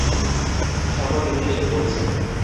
সকল ইউনিটকে বলছি।